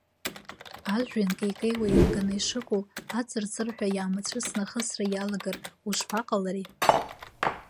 Ажәҩан кеикеиуа еилганы ишыҟоу, аҵырҵырҳәа иаамацәысны ахысра иалагар ушԥаҟалари?!